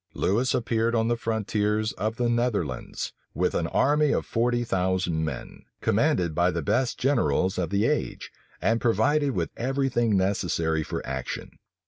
Lewis appeared on the frontiers of the Netherlands with an army of forty thousand men, commanded by the best generals of the age, and provided with every thing necessary for action.